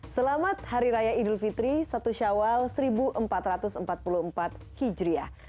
selamat hari raya idul fitri satu syawal seribu empat ratus empat puluh empat hijriah